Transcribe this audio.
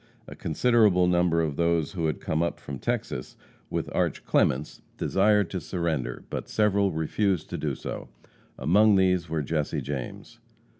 A considerable number of those who had come up from Texas with Arch. Clements desired to surrender, but several refused to do so. Among these were Jesse James.